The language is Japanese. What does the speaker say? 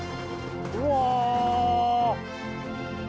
うわ！